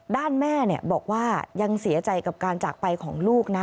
ด้านแม่บอกว่ายังเสียใจกับการจากไปของลูกนะ